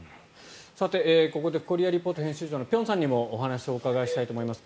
ここで「コリア・レポート」編集長の辺さんにもお話をお伺いしたいと思います。